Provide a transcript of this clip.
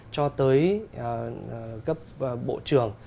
cho tới cấp bộ trưởng